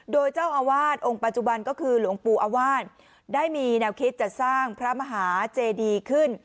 โดยเจ้าอาวาสองค์ปัจจุบันก็คือหลวงปู่อวาสได้มีแนวคิดจะสร้างพระมหาเจดีขึ้น